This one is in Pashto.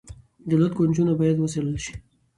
د دولت کونجونه باید وڅیړل شي.